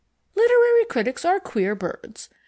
Literary critics are queer birds.